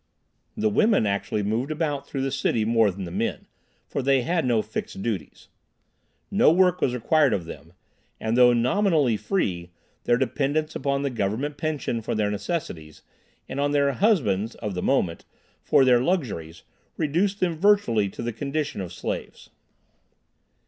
The women actually moved about through the city more than the men, for they had no fixed duties. No work was required of them, and though nominally free, their dependence upon the government pension for their necessities and on their "husbands" (of the moment) for their luxuries, reduced them virtually to the condition of slaves.